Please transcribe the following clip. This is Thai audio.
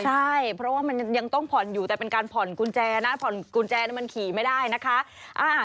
ใช่เพราะว่ามันยังต้องผ่อนอยู่แต่เป็นการผ่อนกุญแจนะผ่อนกุญแจมันขี่ไม่ได้นะคะ